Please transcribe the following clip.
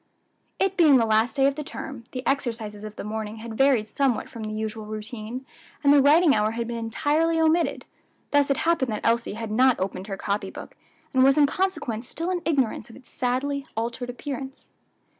It being the last day of the term, the exercises of the morning had varied somewhat from the usual routine, and the writing hour had been entirely omitted; thus it happened that Elsie had not opened her copy book, and was in consequence still in ignorance of its sadly altered appearance.